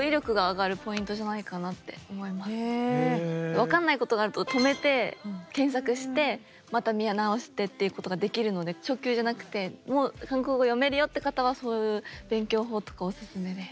分かんないことがあると止めて検索してまた見直してっていうことができるので初級じゃなくてもう韓国語読めるよって方はそういう勉強法とかおすすめです。